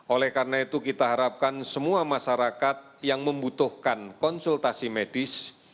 oleh karena itu kita harapkan semua masyarakat yang membutuhkan konsultasi medis